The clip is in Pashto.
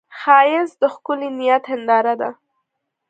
ښایست د ښکلي نیت هنداره ده